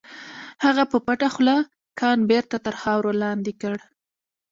هغه په پټه خوله کان بېرته تر خاورو لاندې کړ.